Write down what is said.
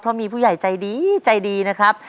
เพราะมีผู้ใหญ่ใจดีใจดีนะครับ